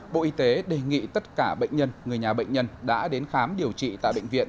bộ y tế đề nghị tất cả bệnh nhân người nhà bệnh nhân đã đến khám điều trị tại bệnh viện